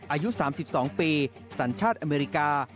อายุสามสิบสองปีสรรชาติอเมริกา